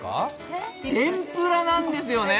天ぷらなんですよね。